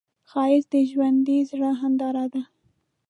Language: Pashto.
ښایست د ژوندي زړه هنداره ده